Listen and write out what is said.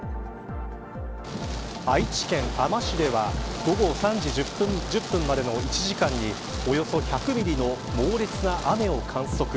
愛知県あま市では午後３時１０分までの１時間におよそ１００ミリの猛烈な雨を観測。